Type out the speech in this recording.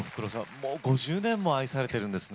もう５０年も愛されているんですね。